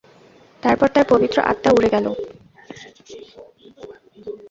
তারপর তার পবিত্র আত্মা উড়ে গেল।